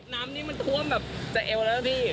น้ำนี่มันท่วมแบบจะเอวแล้วพี่